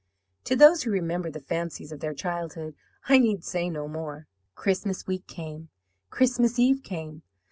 To those who remember the fancies of their childhood I need say no more. "Christmas week came, Christmas Eve came.